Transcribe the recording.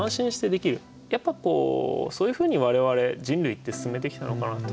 やっぱそういうふうに我々人類って進めてきたのかなと。